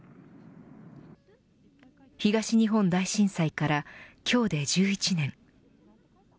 東日本大震災から今日で１１年。